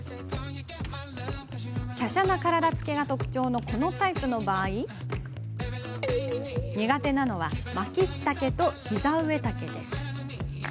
きゃしゃな体つきが特徴のこのタイプの場合苦手なのはマキシ丈とヒザ上丈です。